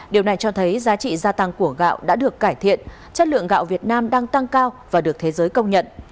điều này cho thấy giá trị gia tăng của gạo đã được cải thiện chất lượng gạo việt nam đang tăng cao và được thế giới công nhận